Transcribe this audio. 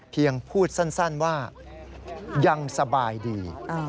เพียงพูดสั้นว่ายังสบายดี